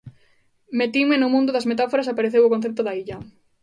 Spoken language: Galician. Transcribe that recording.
Metinme no mundo das metáforas e apareceu o concepto da illa.